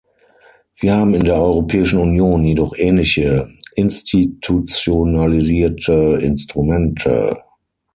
Wir haben in der Europäischen Union jedoch ähnliche institutionalisierte Instrumente.